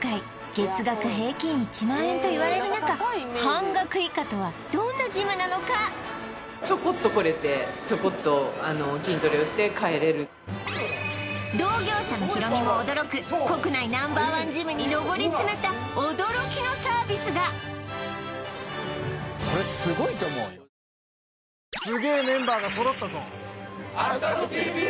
月額平均１万円といわれるなか半額以下とはどんなジムなのか同業者のヒロミも驚く国内Ｎｏ．１ジムに上り詰めた驚きのサービスが問題です！